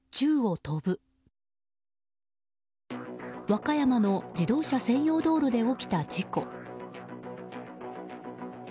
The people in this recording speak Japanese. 和歌山の自動車専用道路で起きた事故。